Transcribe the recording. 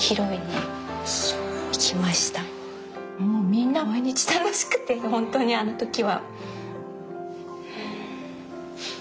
みんな毎日楽しくてホントにあの時は。